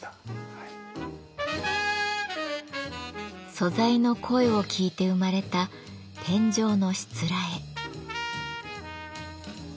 素材の声を聞いて生まれた天井のしつらえ。